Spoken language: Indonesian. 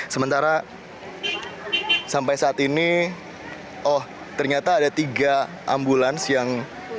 sementara sampai saat ini oh ternyata ada tiga ambulans yang